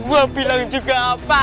gua bilang juga apa